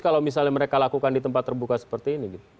kalau misalnya mereka lakukan di tempat terbuka seperti ini